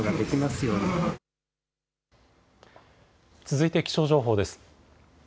続いて気象情報です。